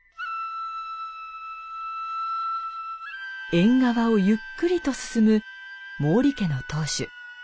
縁側をゆっくりと進む毛利家の当主。